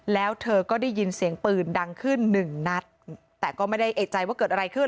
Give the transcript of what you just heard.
แล้วเธอก็ได้ยินเสียงปืนดังขึ้นหนึ่งนัดแต่ก็ไม่ได้เอกใจว่าเกิดอะไรขึ้น